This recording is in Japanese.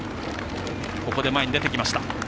ここで前に出てきました。